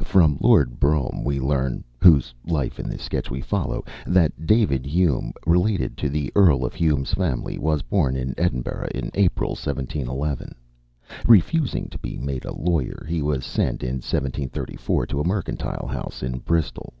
From Lord Brougham we learn (whose life in this sketch we follow) that David Hume, related to the Earl of Hume's family, was born in Edinburgh, in April, 1711. Refusing to be made a lawyer, he was sent, in 1734, to a mercantile house in Bristol.